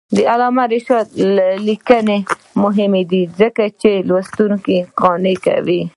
د علامه رشاد لیکنی هنر مهم دی ځکه چې لوستونکي قانع کوي.